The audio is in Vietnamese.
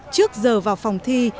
trước giờ vào phòng thi